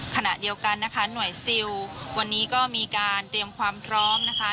ขณะเดียวกันนะคะหน่วยซิลวันนี้ก็มีการเตรียมความพร้อมนะคะ